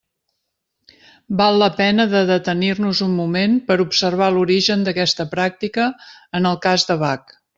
Val la pena de detenir-nos un moment per observar l'origen d'aquesta pràctica en el cas de Bach.